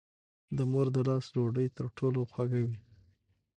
د مور د لاس ډوډۍ تر ټولو خوږه وي.